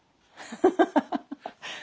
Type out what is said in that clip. ハハハハッ。